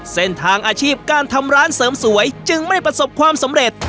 อาชีพการทำร้านเสริมสวยจึงไม่ประสบความสำเร็จ